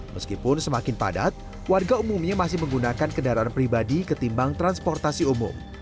meskipun semakin padat warga umumnya masih menggunakan kendaraan pribadi ketimbang transportasi umum